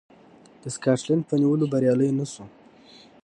د سکاټلنډ په نیولو بریالی نه شو.